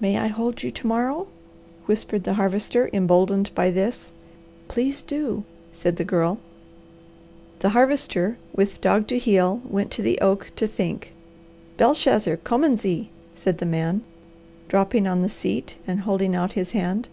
"May I hold you to morrow?" whispered the Harvester, emboldened by this. "Please do," said the Girl. The Harvester, with dog to heel, went to the oak to think. "Belshazzar, kommen Sie!" said the man, dropping on the seat and holding out his hand.